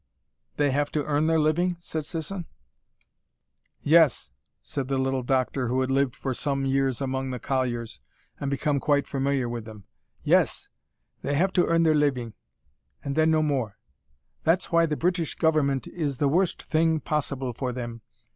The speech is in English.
"They have to earn their living?" said Sisson. "Yes," said the little doctor, who had lived for some years among the colliers, and become quite familiar with them. "Yes, they have to earn their living and then no more. That's why the British Government is the worst thing possible for them.